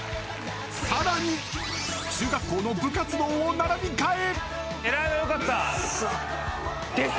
更に、中学校の部活動を並び替え。